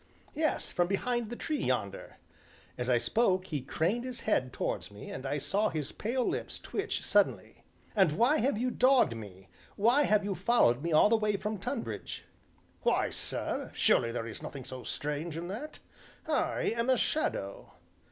"Yes, from behind the tree, yonder." As I spoke, he craned his head towards me, and I saw his pale lips twitch suddenly. "And why have you dogged me; why have you followed me all the way from Tonbridge?" "Why, sir, surely there is nothing so strange in that. I am a shadow."